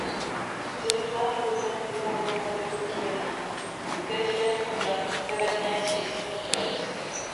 Son territoire provient du démembrement des communes voisines de Cazillac, Condat, Cavagnac et Strenquels.